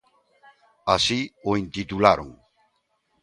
Así o intitularon.